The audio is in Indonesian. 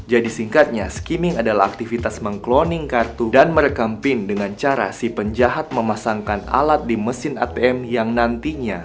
jadi singkatnya skimming adalah aktivitas mengkloning kartu dan merekam pin dengan cara si penjahat memasangkan alat di mesin atm yang nantinya